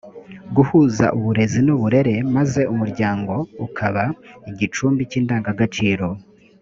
guhuza uburezi n uburere maze umuryango ukaba igicumbi cy indangagaciro